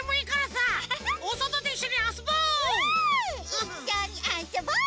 いっしょにあそぼう！